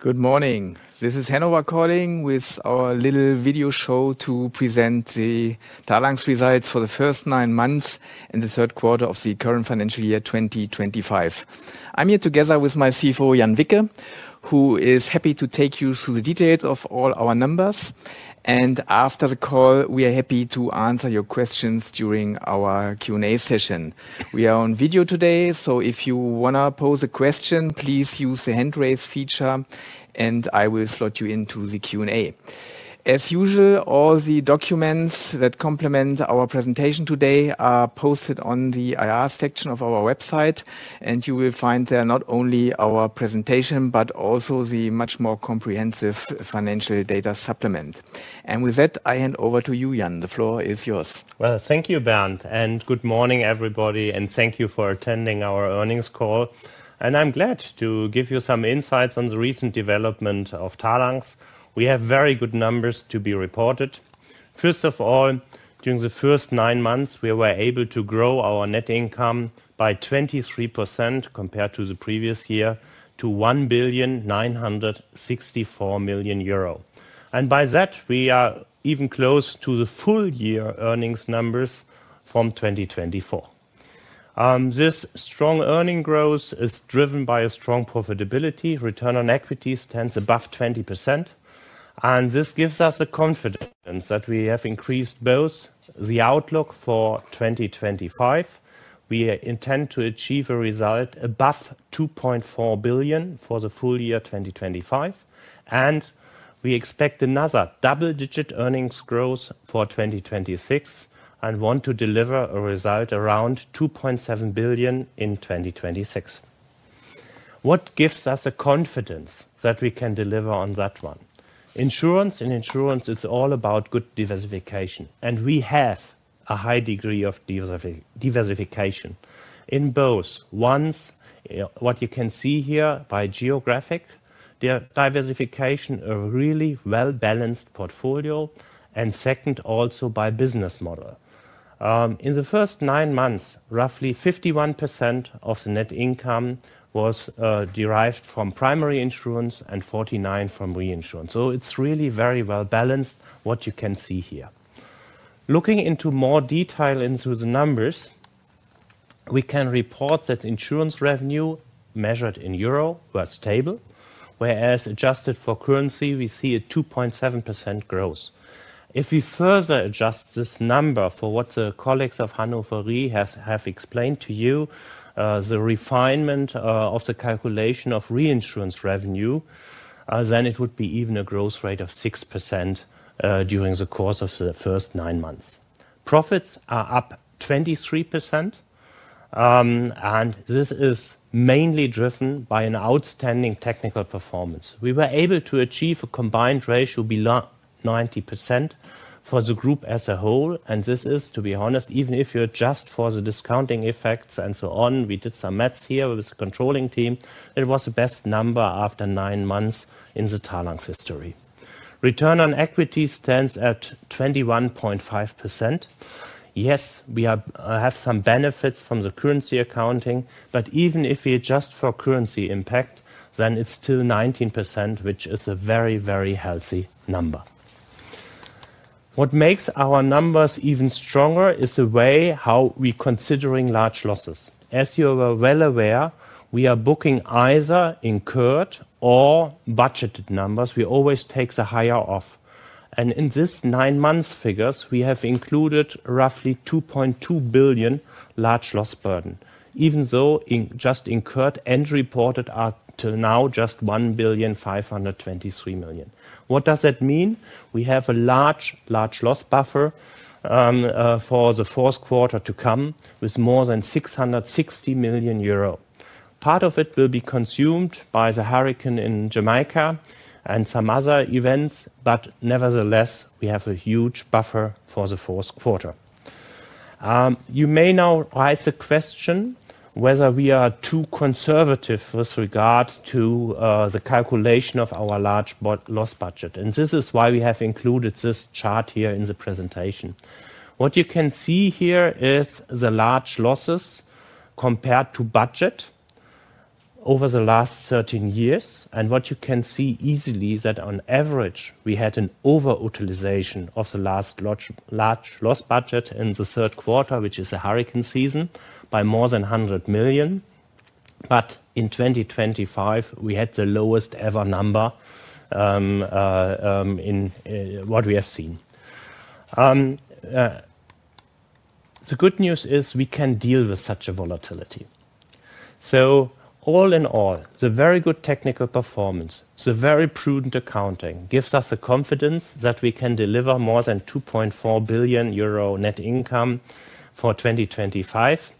Good morning. This is Hannover calling with our little video show to present the Talanx results for the first nine months and the third quarter of the current financial year 2025. I'm here together with my CFO, Jan Wicke, who is happy to take you through the details of all our numbers. After the call, we are happy to answer your questions during our Q&A session. We are on video today, so if you want to pose a question, please use the hand-raise feature, and I will slot you into the Q&A. As usual, all the documents that complement our presentation today are posted on the IR section of our website, and you will find there not only our presentation but also the much more comprehensive financial data supplement. With that, I hand over to you, Jan. The floor is yours. Thank you, Bernd, and good morning, everybody, and thank you for attending our earnings call. I'm glad to give you some insights on the recent development of Talanx. We have very good numbers to be reported. First of all, during the first nine months, we were able to grow our net income by 23% compared to the previous year to 1,964 million euro. By that, we are even close to the full-year earnings numbers from 2024. This strong earning growth is driven by a strong profitability. Return on equity stands above 20%, and this gives us the confidence that we have increased both the outlook for 2025. We intend to achieve a result above 2.4 billion for the full year 2025, and we expect another double-digit earnings growth for 2026 and want to deliver a result around 2.7 billion in 2026. What gives us the confidence that we can deliver on that one? Insurance, and insurance, it's all about good diversification, and we have a high degree of diversification in both. Once, what you can see here by geographic diversification, a really well-balanced portfolio, and second, also by business model. In the first nine months, roughly 51% of the net income was derived from primary insurance and 49% from reinsurance. It is really very well-balanced what you can see here. Looking into more detail into the numbers, we can report that insurance revenue measured in EUR was stable, whereas adjusted for currency, we see a 2.7% growth. If we further adjust this number for what the colleagues of Hannover Re have explained to you, the refinement of the calculation of reinsurance revenue, then it would be even a growth rate of 6% during the course of the first nine months. Profits are up 23%, and this is mainly driven by an outstanding technical performance. We were able to achieve a combined ratio below 90% for the group as a whole, and this is, to be honest, even if you adjust for the discounting effects and so on. We did some maths here with the controlling team. It was the best number after nine months in the Talanx history. Return on equity stands at 21.5%. Yes, we have some benefits from the currency accounting, but even if we adjust for currency impact, then it's still 19%, which is a very, very healthy number. What makes our numbers even stronger is the way how we are considering large losses. As you are well aware, we are booking either incurred or budgeted numbers. We always take the higher off. In these nine-month figures, we have included roughly 2.2 billion large loss burden, even though just incurred and reported are till now just 1,523 million. What does that mean? We have a large, large loss buffer for the fourth quarter to come with more than 660 million euro. Part of it will be consumed by the hurricane in Jamaica and some other events, but nevertheless, we have a huge buffer for the fourth quarter. You may now raise the question whether we are too conservative with regard to the calculation of our large loss budget, and this is why we have included this chart here in the presentation. What you can see here is the large losses compared to budget over the last 13 years. What you can see easily is that on average, we had an over-utilization of the last large loss budget in the third quarter, which is the hurricane season, by more than 100 million. In 2025, we had the lowest-ever number in what we have seen. The good news is we can deal with such a volatility. All in all, the very good technical performance, the very prudent accounting gives us the confidence that we can deliver more than 2.4 billion euro net income for 2025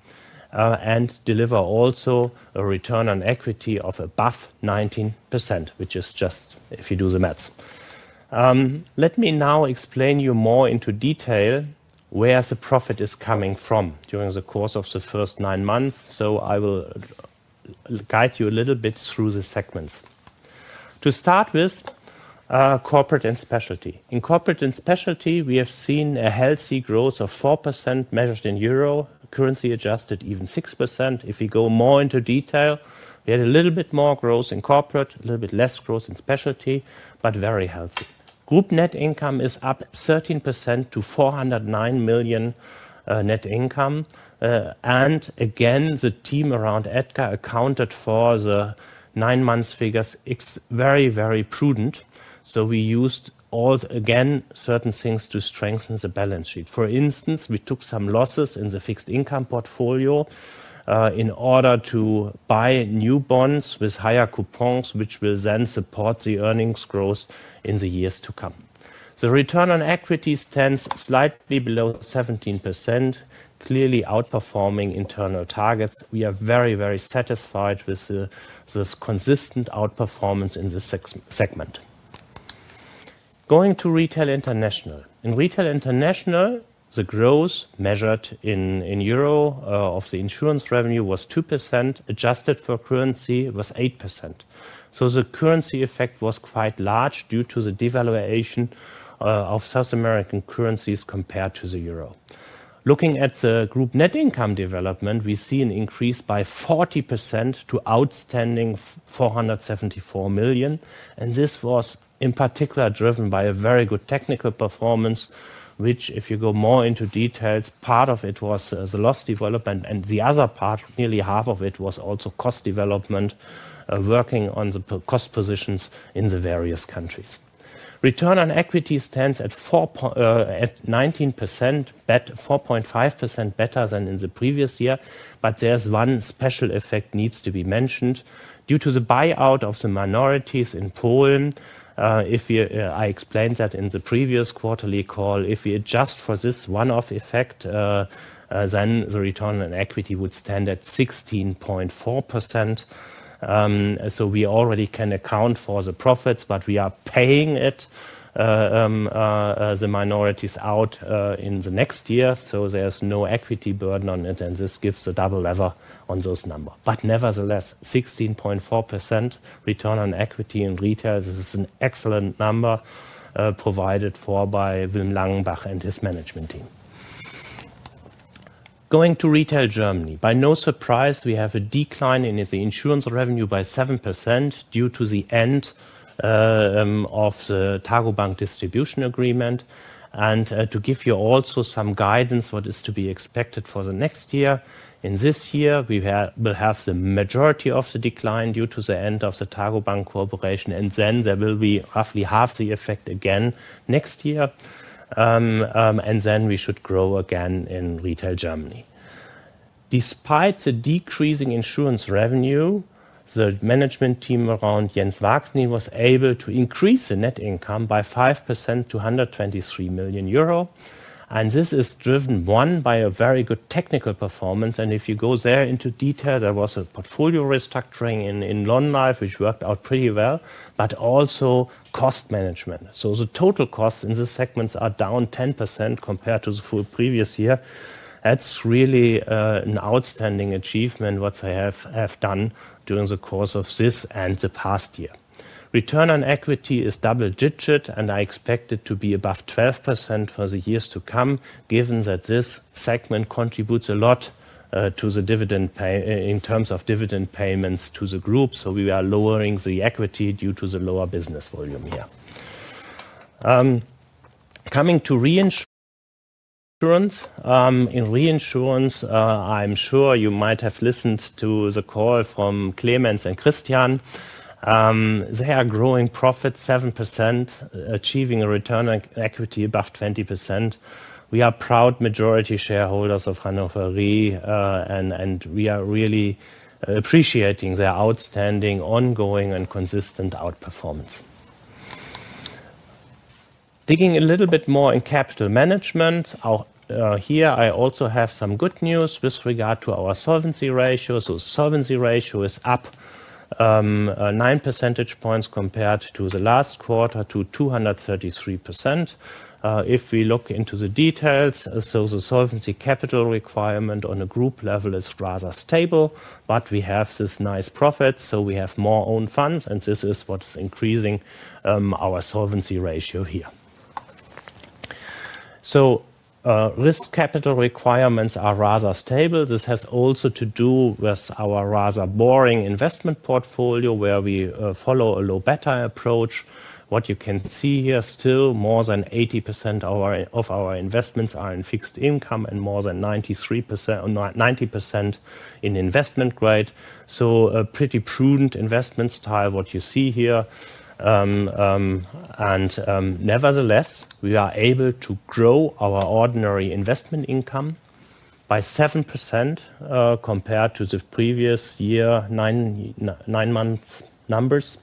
and deliver also a return on equity of above 19%, which is just if you do the maths. Let me now explain to you more into detail where the profit is coming from during the course of the first nine months, so I will guide you a little bit through the segments. To start with, Corporate & Specialty. In Corporate & Specialty, we have seen a healthy growth of 4% measured in EUR, currency adjusted even 6%. If we go more into detail, we had a little bit more growth in corporate, a little bit less growth in specialty, but very healthy. Group net income is up 13% to 409 million net income. Again, the team around Edgar accounted for the nine-month figures. It's very, very prudent. We used all again certain things to strengthen the balance sheet. For instance, we took some losses in the fixed income portfolio in order to buy new bonds with higher coupons, which will then support the earnings growth in the years to come. The return on equity stands slightly below 17%, clearly outperforming internal targets. We are very, very satisfied with this consistent outperformance in this segment. Going to Retail International. In Retail International, the growth measured in Euro of the insurance revenue was 2%. Adjusted for currency was 8%. The currency effect was quite large due to the devaluation of South American currencies compared to the Euro. Looking at the group net income development, we see an increase by 40% to outstanding 474 million. This was in particular driven by a very good technical performance, which if you go more into details, part of it was the loss development, and the other part, nearly half of it, was also cost development, working on the cost positions in the various countries. Return on equity stands at 19%, 4.5% better than in the previous year. There is one special effect that needs to be mentioned. Due to the buyout of the minorities in Poland, I explained that in the previous quarterly call. If we adjust for this one-off effect, then the return on equity would stand at 16.4%. We already can account for the profits, but we are paying it, the minorities out in the next year. There is no equity burden on it, and this gives a double lever on those numbers. Nevertheless, 16.4% return on equity in retail, this is an excellent number provided for by Wilm Langenbach and his management team. Going to retail Germany. By no surprise, we have a decline in the insurance revenue by 7% due to the end of the TARGOBANK distribution agreement. To give you also some guidance on what is to be expected for the next year, in this year, we will have the majority of the decline due to the end of the TARGOBANK corporation, and then there will be roughly half the effect again next year. We should grow again in retail Germany. Despite the decreasing insurance revenue, the management team around Jens Wagner was able to increase the net income by 5% to 123 million euro. This is driven, one, by a very good technical performance. If you go there into detail, there was a portfolio restructuring in Lohndorf, which worked out pretty well, but also cost management. The total costs in these segments are down 10% compared to the previous year. That is really an outstanding achievement, what they have done during the course of this and the past year. Return on equity is double-digit, and I expect it to be above 12% for the years to come, given that this segment contributes a lot to the dividend in terms of dividend payments to the group. We are lowering the equity due to the lower business volume here. Coming to reinsurance, in reinsurance, I'm sure you might have listened to the call from Clemens and Christian. They are growing profits 7%, achieving a return on equity above 20%. We are proud majority shareholders of Hannover Re, and we are really appreciating their outstanding ongoing and consistent outperformance. Digging a little bit more in capital management, here I also have some good news with regard to our solvency ratio. The solvency ratio is up 9 percentage points compared to the last quarter to 233%. If we look into the details, the solvency capital requirement on a group level is rather stable, but we have this nice profit, so we have more own funds, and this is what is increasing our solvency ratio here. Risk capital requirements are rather stable. This has also to do with our rather boring investment portfolio where we follow a low-beta approach. What you can see here still, more than 80% of our investments are in fixed income and more than 90% in investment grade. A pretty prudent investment style, what you see here. Nevertheless, we are able to grow our ordinary investment income by 7% compared to the previous year nine-month numbers.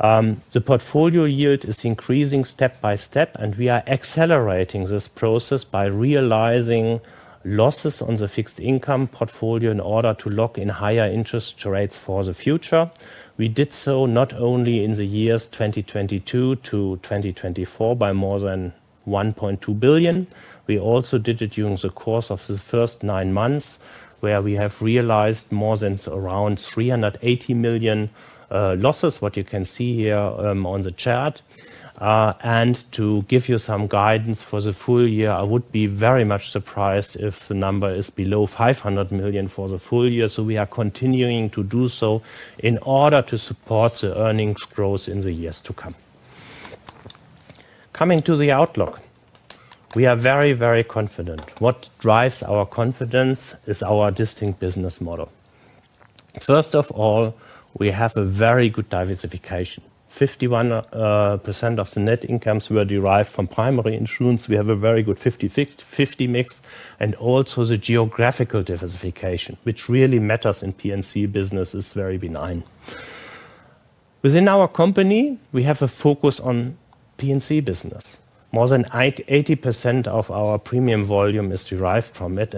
The portfolio yield is increasing step by step, and we are accelerating this process by realizing losses on the fixed income portfolio in order to lock in higher interest rates for the future. We did so not only in the years 2022 to 2024 by more than 1.2 billion. We also did it during the course of the first nine months where we have realized more than around 380 million losses, what you can see here on the chart. To give you some guidance for the full year, I would be very much surprised if the number is below 500 million for the full year. We are continuing to do so in order to support the earnings growth in the years to come. Coming to the outlook, we are very, very confident. What drives our confidence is our distinct business model. First of all, we have a very good diversification. 51% of the net incomes were derived from primary insurance. We have a very good 50/50 mix, and also the geographical diversification, which really matters in P&C business, is very benign. Within our company, we have a focus on P&C business. More than 80% of our premium volume is derived from it.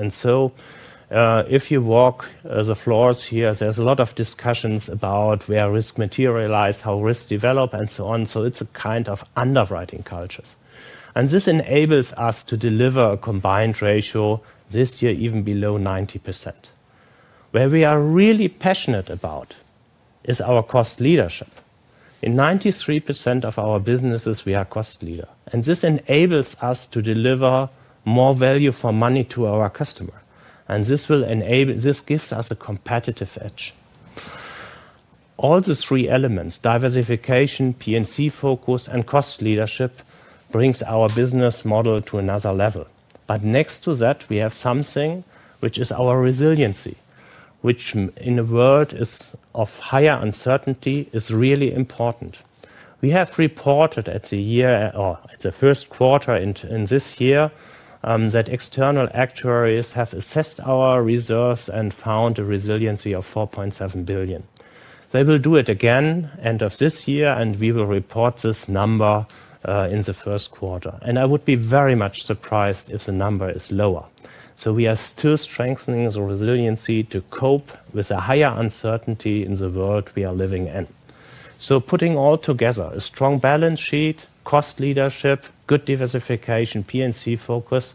If you walk the floors here, there is a lot of discussion about where risk materialized, how risk developed, and so on. It's a kind of underwriting cultures. This enables us to deliver a combined ratio this year even below 90%. Where we are really passionate about is our cost leadership. In 93% of our businesses, we are cost leader. This enables us to deliver more value for money to our customer. This gives us a competitive edge. All the three elements, diversification, P&C focus, and cost leadership, bring our business model to another level. Next to that, we have something which is our resiliency, which in a world of higher uncertainty is really important. We have reported at the year or at the first quarter in this year that external actuaries have assessed our reserves and found a resiliency of 4.7 billion. They will do it again at the end of this year, and we will report this number in the first quarter. I would be very much surprised if the number is lower. We are still strengthening the resiliency to cope with the higher uncertainty in the world we are living in. Putting all together, a strong balance sheet, cost leadership, good diversification, P&C focus,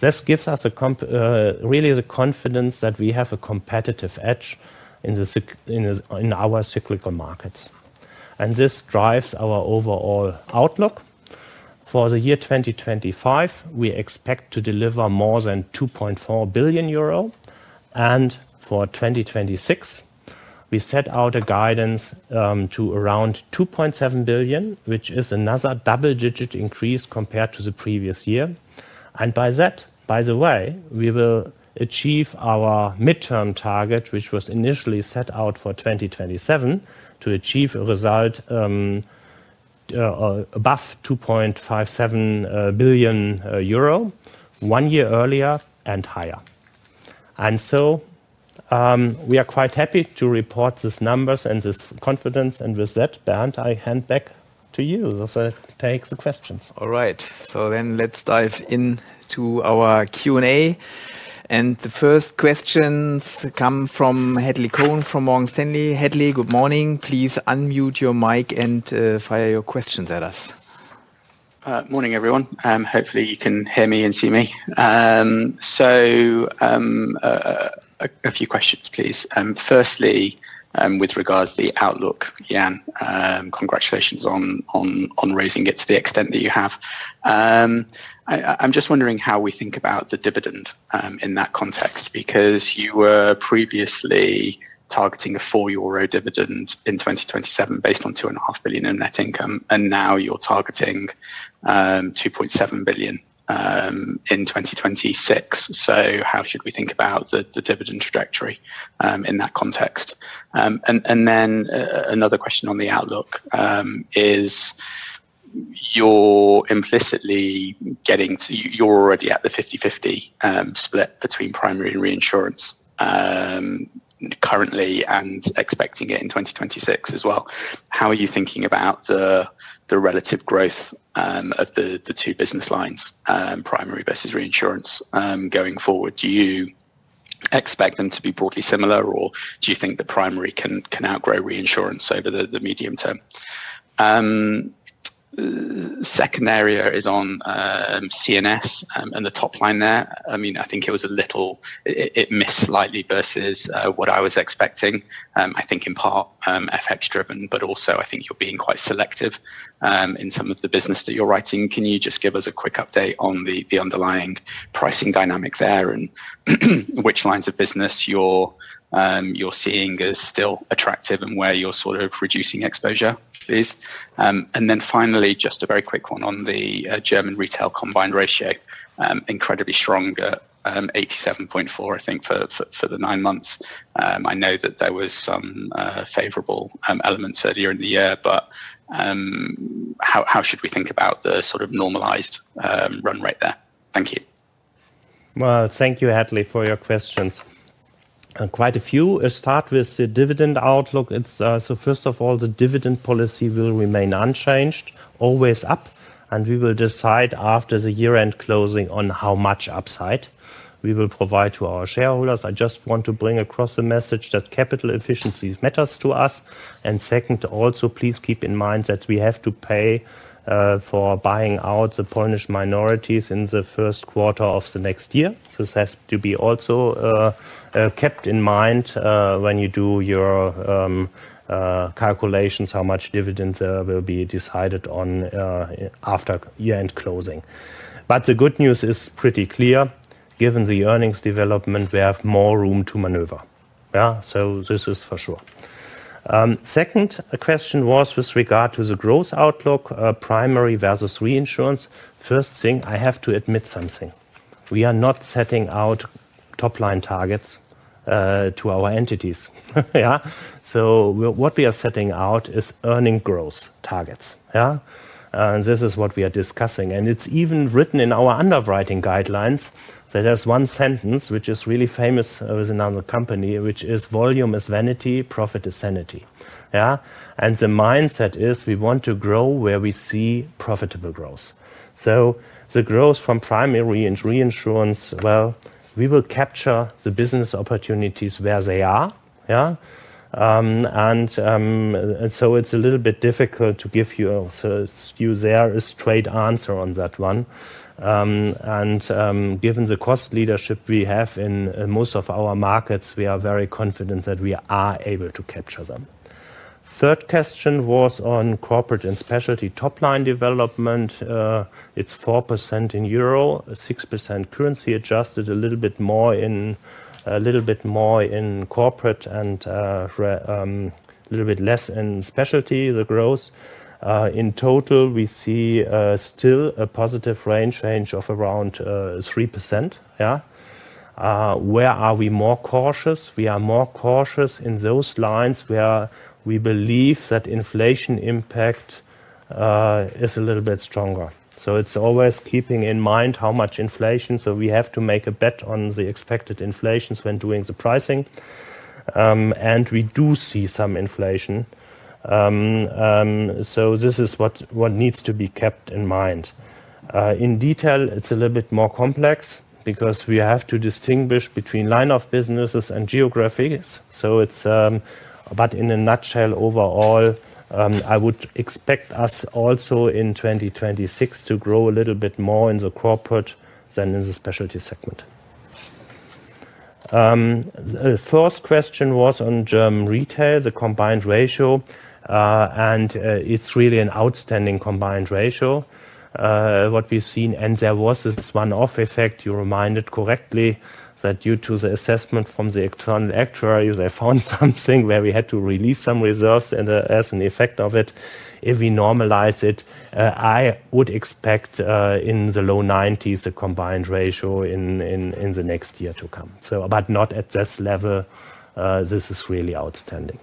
this gives us really the confidence that we have a competitive edge in our cyclical markets. This drives our overall outlook. For the year 2025, we expect to deliver more than 2.4 billion euro. For 2026, we set out a guidance to around 2.7 billion, which is another double-digit increase compared to the previous year. By that, by the way, we will achieve our midterm target, which was initially set out for 2027, to achieve a result above 2.57 billion euro one year earlier and higher. We are quite happy to report these numbers and this confidence. With that, Bernd, I hand back to you to take the questions. All right. Let's dive into our Q&A. The first questions come from Hadley Cohen from Morgan Stanley. Hadley, good morning. Please unmute your mic and fire your questions at us. Morning, everyone. Hopefully, you can hear me and see me. A few questions, please. Firstly, with regards to the outlook, Jan, congratulations on raising it to the extent that you have. I'm just wondering how we think about the dividend in that context because you were previously targeting a 4 euro dividend in 2027 based on 2.5 billion in net income, and now you're targeting 2.7 billion in 2026. How should we think about the dividend trajectory in that context? Another question on the outlook is you're implicitly getting to you're already at the 50/50 split between primary and reinsurance currently and expecting it in 2026 as well. How are you thinking about the relative growth of the two business lines, primary versus reinsurance, going forward? Do you expect them to be broadly similar, or do you think the primary can outgrow reinsurance over the medium term? Second area is on C&S and the top line there. I mean, I think it was a little, it missed slightly versus what I was expecting. I think in part FX-driven, but also I think you're being quite selective in some of the business that you're writing. Can you just give us a quick update on the underlying pricing dynamic there and which lines of business you're seeing as still attractive and where you're sort of reducing exposure? And then finally, just a very quick one on the German retail combined ratio, incredibly strong, 87.4%, I think, for the nine months. I know that there were some favorable elements earlier in the year, but how should we think about the sort of normalized run rate there? Thank you. Thank you, Hadley, for your questions. Quite a few. I'll start with the dividend outlook. First of all, the dividend policy will remain unchanged, always up, and we will decide after the year-end closing on how much upside we will provide to our shareholders. I just want to bring across the message that capital efficiency matters to us. Second, also please keep in mind that we have to pay for buying out the Polish minorities in the first quarter of the next year. This has to be also kept in mind when you do your calculations how much dividends will be decided on after year-end closing. The good news is pretty clear. Given the earnings development, we have more room to maneuver. This is for sure. Second, a question was with regard to the growth outlook, primary versus reinsurance. First thing, I have to admit something. We are not setting out top-line targets to our entities. What we are setting out is earning growth targets. This is what we are discussing. It is even written in our underwriting guidelines that there is one sentence which is really famous with another company, which is, "Volume is vanity, profit is sanity." The mindset is we want to grow where we see profitable growth. The growth from primary and reinsurance, we will capture the business opportunities where they are. It is a little bit difficult to give you a straight answer on that one. Given the cost leadership we have in most of our markets, we are very confident that we are able to capture them. Third question was on Corporate & Specialty top-line development. It's 4% in Euro, 6% currency adjusted, a little bit more in corporate and a little bit less in specialty, the growth. In total, we see still a positive range change of around 3%. Where are we more cautious? We are more cautious in those lines where we believe that inflation impact is a little bit stronger. It's always keeping in mind how much inflation. We have to make a bet on the expected inflations when doing the pricing. We do see some inflation. This is what needs to be kept in mind. In detail, it's a little bit more complex because we have to distinguish between line of businesses and geographies. In a nutshell, overall, I would expect us also in 2026 to grow a little bit more in the corporate than in the specialty segment. The first question was on German retail, the combined ratio. It's really an outstanding combined ratio what we've seen. There was this one-off effect, you reminded correctly, that due to the assessment from the external actuaries, I found something where we had to release some reserves as an effect of it. If we normalize it, I would expect in the low 90s the combined ratio in the next year to come. Not at this level. This is really outstanding.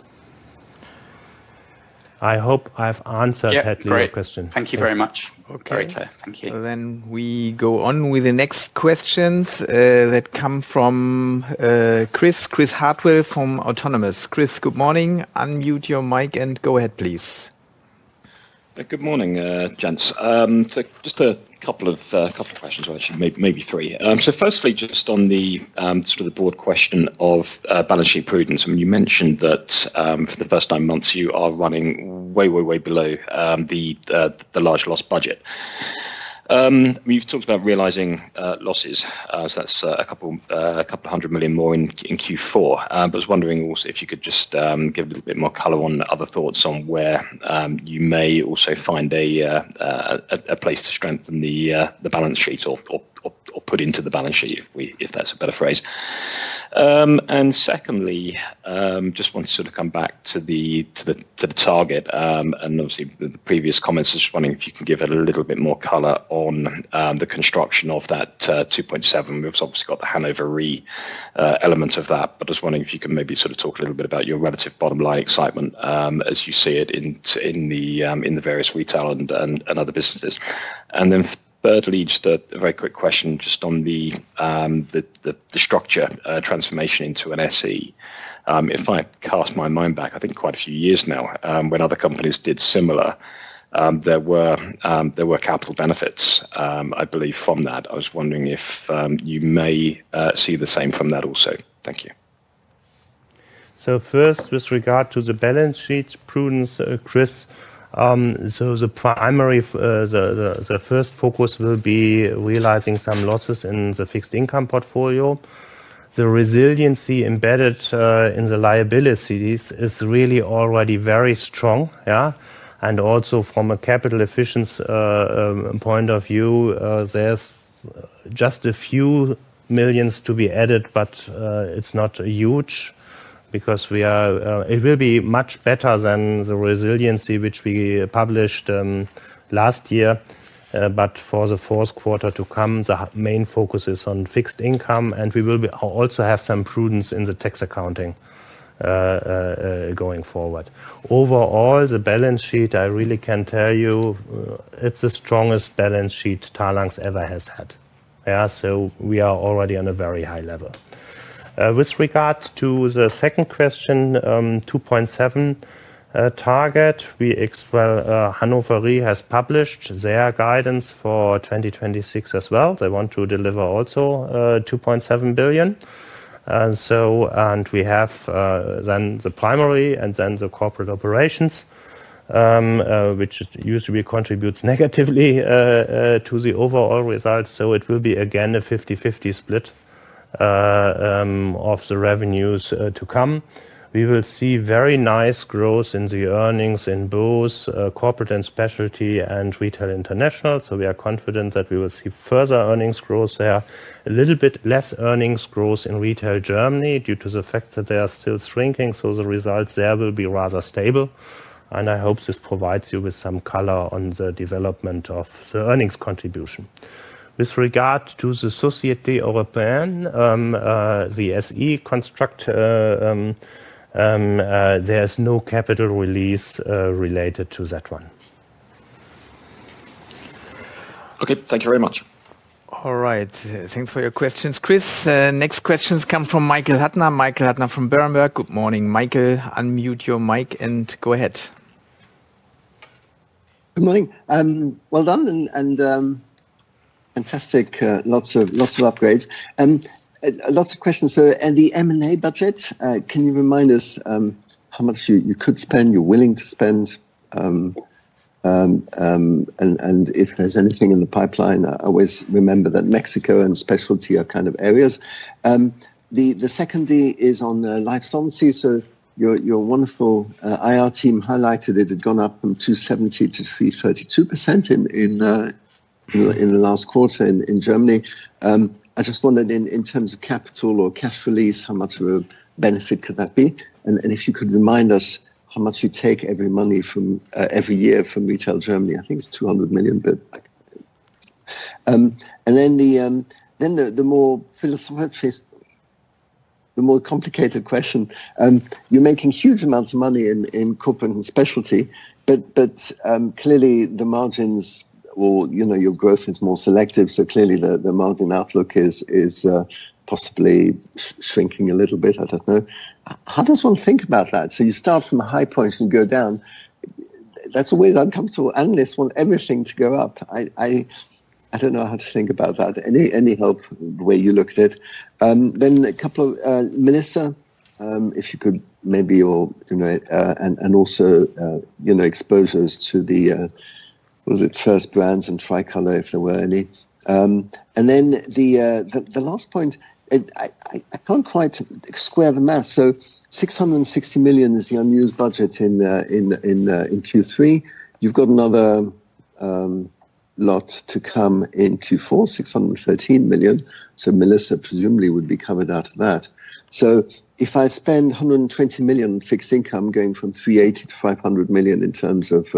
I hope I've answered Hedley's question. Thank you very much. Okay. Very clear. Thank you. We go on with the next questions that come from Chris, Chris Hartwell from Autonomous. Chris, good morning. Unmute your mic and go ahead, please. Good morning, Jan. Just a couple of questions, maybe three. Firstly, just on the sort of the broad question of balance sheet prudence. I mean, you mentioned that for the first nine months, you are running way, way, way below the large loss budget. You have talked about realizing losses, so that is a couple of hundred million more in Q4. I was wondering also if you could just give a little bit more color on other thoughts on where you may also find a place to strengthen the balance sheet or put into the balance sheet, if that is a better phrase. Secondly, just want to sort of come back to the target. Obviously, the previous comments, I was just wondering if you can give a little bit more color on the construction of that 2.7. We've obviously got the Hannover element of that, but I was wondering if you could maybe sort of talk a little bit about your relative bottom line excitement as you see it in the various retail and other businesses. Then thirdly, just a very quick question just on the structure transformation into an SE. If I cast my mind back, I think quite a few years now, when other companies did similar, there were capital benefits, I believe, from that. I was wondering if you may see the same from that also. Thank you. First, with regard to the balance sheet prudence, Chris, the primary, the first focus will be realizing some losses in the fixed income portfolio. The resiliency embedded in the liabilities is really already very strong. Also, from a capital efficiency point of view, there are just a few millions to be added, but it is not huge because it will be much better than the resiliency which we published last year. For the fourth quarter to come, the main focus is on fixed income, and we will also have some prudence in the tax accounting going forward. Overall, the balance sheet, I really can tell you, it is the strongest balance sheet Talanx ever has had. We are already on a very high level. With regard to the second question, 2.7 target, Hannover Re has published their guidance for 2026 as well. They want to deliver also 2.7 billion. We have then the primary and then the corporate operations, which usually contributes negatively to the overall results. It will be again a 50/50 split of the revenues to come. We will see very nice growth in the earnings in both Corporate & Specialty and Retail International. We are confident that we will see further earnings growth there, a little bit less earnings growth in retail Germany due to the fact that they are still shrinking. The results there will be rather stable. I hope this provides you with some color on the development of the earnings contribution. With regard to the Société Européenne, the SE construct, there is no capital release related to that one. Okay. Thank you very much. All right. Thanks for your questions, Chris. Next questions come from Michael Huttner. Michael Huttner from Berenberg. Good morning, Michael. Unmute your mic and go ahead. Good morning. Well done and fantastic. Lots of upgrades. Lots of questions. The M&A budget, can you remind us how much you could spend, you're willing to spend, and if there's anything in the pipeline? I always remember that Mexico and specialty are kind of areas. The second is on life's long. Your wonderful IR team highlighted it had gone up from 270%-332% in the last quarter in Germany. I just wondered in terms of capital or cash release, how much of a benefit could that be? If you could remind us how much you take every year from retail Germany, I think it's 200 million. The more complicated question, you're making huge amounts of money in Corporate & Specialty, but clearly the margins or your growth is more selective. Clearly the margin outlook is possibly shrinking a little bit. I don't know. How does one think about that? You start from a high point and go down. That's always uncomfortable. Analysts want everything to go up. I don't know how to think about that. Any help the way you looked at it? A couple of minutes, if you could maybe, and also exposures to the, was it First Brands and Tricolor if there were any? The last point, I can't quite square the math. 660 million is the unused budget in Q3. You've got another lot to come in Q4, 613 million. Melissa presumably would be covered out of that. If I spend 120 million fixed income going from 380 million to 500 million in terms of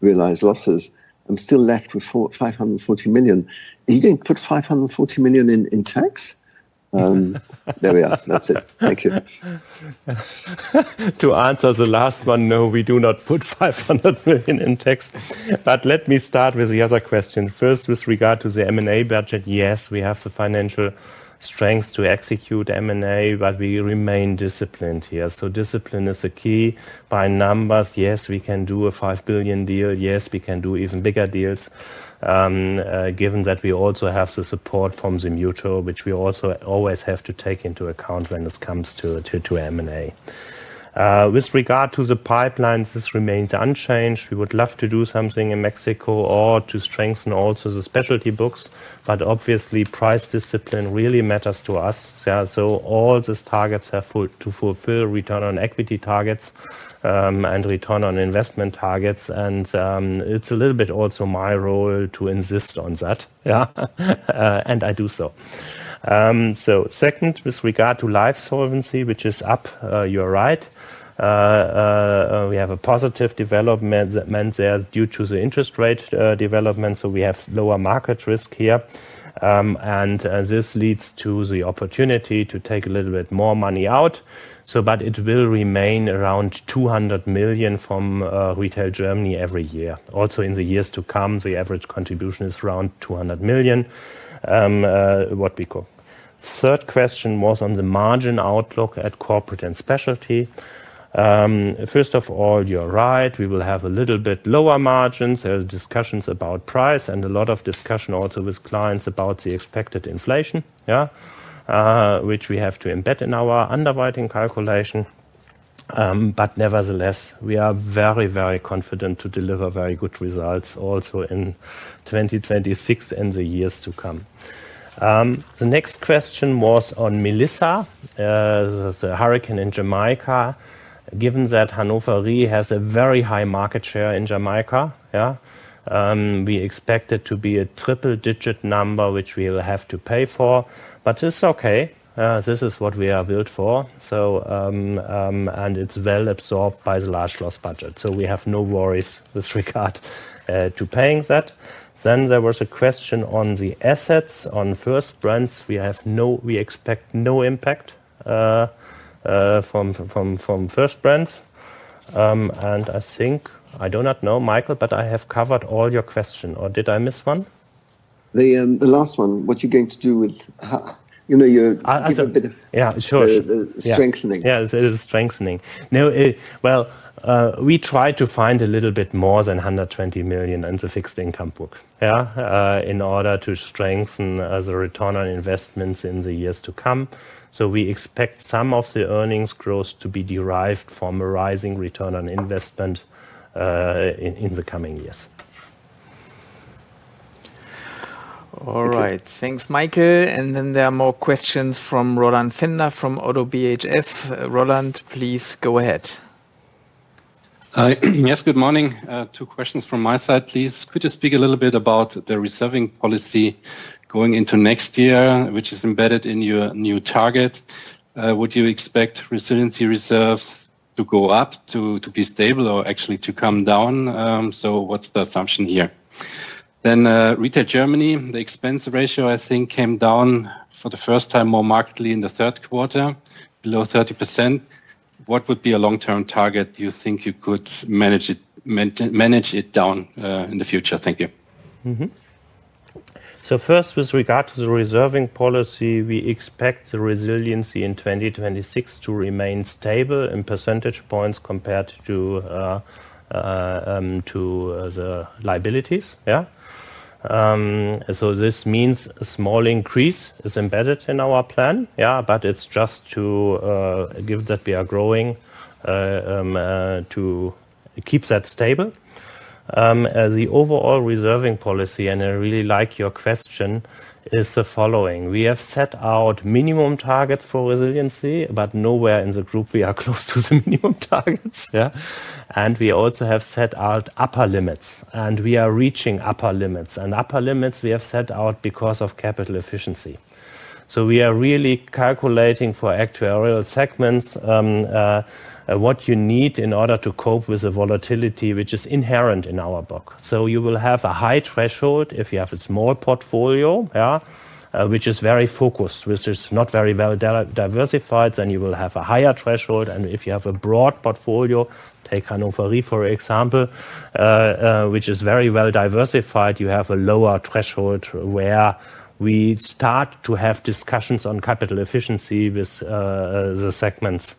realized losses, I'm still left with 540 million. Are you going to put 540 million in tax? There we are. That's it. Thank you. To answer the last one, no, we do not put 500 million in tax. Let me start with the other question. First, with regard to the M&A budget, yes, we have the financial strength to execute M&A, but we remain disciplined here. Discipline is the key. By numbers, yes, we can do a 5 billion deal. Yes, we can do even bigger deals given that we also have the support from the mutual, which we also always have to take into account when it comes to M&A. With regard to the pipelines, this remains unchanged. We would love to do something in Mexico or to strengthen also the specialty books. Obviously, price discipline really matters to us. All these targets have to fulfill return on equity targets and return on investment targets. It is a little bit also my role to insist on that. I do so. Second, with regard to life’s solvency, which is up, you’re right. We have a positive development that meant there due to the interest rate development. We have lower market risk here. This leads to the opportunity to take a little bit more money out. It will remain around 200 million from retail Germany every year. Also in the years to come, the average contribution is around 200 million. What we call. Third question was on the margin outlook at Corporate & Specialty. First of all, you’re right. We will have a little bit lower margins. There are discussions about price and a lot of discussion also with clients about the expected inflation, which we have to embed in our underwriting calculation. Nevertheless, we are very, very confident to deliver very good results also in 2026 and the years to come. The next question was on Melissa, the hurricane in Jamaica. Given that Hannover has a very high market share in Jamaica, we expect it to be a triple-digit number, which we will have to pay for. It is okay. This is what we are built for. It is well absorbed by the large loss budget. We have no worries with regard to paying that. There was a question on the assets. On First Brands, we expect no impact from First Brands. I think, I do not know, Michael, but I have covered all your questions. Or did I miss one? The last one, what you're going to do with your strengthening? Yeah, it is strengthening. Now, we try to find a little bit more than 120 million in the fixed income book in order to strengthen the return on investments in the years to come. So we expect some of the earnings growth to be derived from a rising return on investment in the coming years. All right. Thanks, Michael. There are more questions from Roland Pfänder from ODDO BHF. Roland, please go ahead. Yes, good morning. Two questions from my side, please. Could you speak a little bit about the reserving policy going into next year, which is embedded in your new target? Would you expect resiliency reserves to go up, to be stable, or actually to come down? What is the assumption here? Retail Germany, the expense ratio, I think, came down for the first time more markedly in the third quarter, below 30%. What would be a long-term target you think you could manage it down in the future? Thank you. First, with regard to the reserving policy, we expect the resiliency in 2026 to remain stable in percentage points compared to the liabilities. This means a small increase is embedded in our plan. It is just to give that we are growing to keep that stable. The overall reserving policy, and I really like your question, is the following. We have set out minimum targets for resiliency, but nowhere in the group are we close to the minimum targets. We also have set out upper limits. We are reaching upper limits. Upper limits we have set out because of capital efficiency. We are really calculating for actuarial segments what you need in order to cope with the volatility, which is inherent in our book. You will have a high threshold if you have a small portfolio, which is very focused, which is not very well diversified, then you will have a higher threshold. If you have a broad portfolio, take Hannover Re for example, which is very well diversified, you have a lower threshold where we start to have discussions on capital efficiency with the segments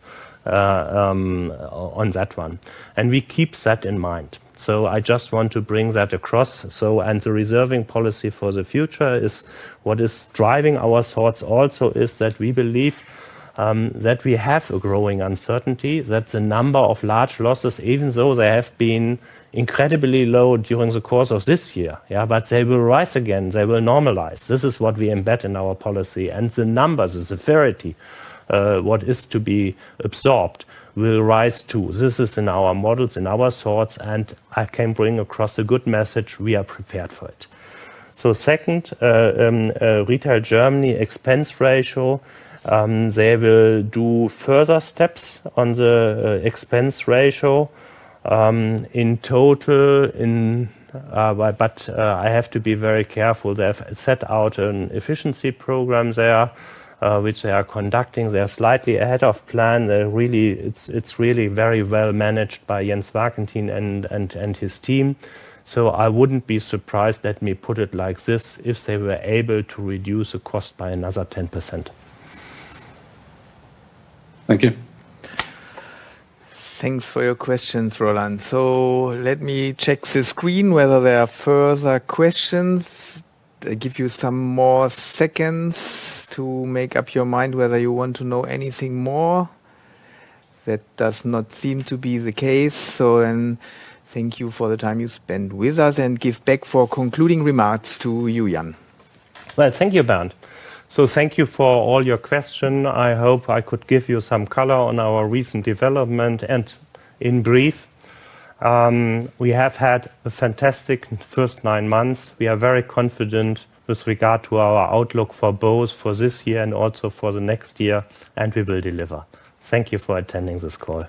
on that one. We keep that in mind. I just want to bring that across. The reserving policy for the future is what is driving our thoughts also, is that we believe that we have a growing uncertainty. That is a number of large losses, even though they have been incredibly low during the course of this year. They will rise again. They will normalize. This is what we embed in our policy. The numbers, the severity, what is to be absorbed will rise too. This is in our models, in our thoughts. I can bring across a good message. We are prepared for it. Second, retail Germany expense ratio, they will do further steps on the expense ratio in total. I have to be very careful. They have set out an efficiency program there, which they are conducting. They are slightly ahead of plan. It's really very well managed by Jens Wagner and his team. I would not be surprised, let me put it like this, if they were able to reduce the cost by another 10%. Thank you. Thanks for your questions, Roland. Let me check the screen whether there are further questions. I'll give you some more seconds to make up your mind whether you want to know anything more. That does not seem to be the case. Thank you for the time you spent with us and give back for concluding remarks to you, Jan. Thank you, Bernd. Thank you for all your questions. I hope I could give you some color on our recent development. In brief, we have had a fantastic first nine months. We are very confident with regard to our outlook for both this year and also for next year. We will deliver. Thank you for attending this call.